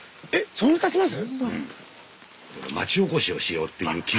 そんなたちます？